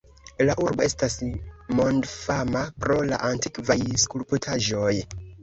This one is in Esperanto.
La urbo estas mondfama pro la antikvaj skulptaĵoj.